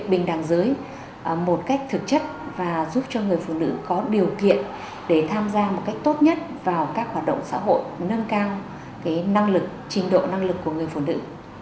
bình đẳng giới một cách thực chất và giúp cho người phụ nữ có điều kiện để tham gia một cách tốt nhất vào các hoạt động xã hội nâng cao năng lực trình độ năng lực của người phụ nữ